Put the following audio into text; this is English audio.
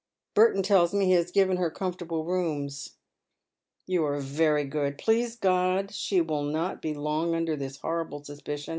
Burton tells me he has given her comfortable rooms." " You are very good. Please God she will not be long under this horrible suspicion.